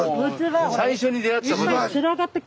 最初に出会った。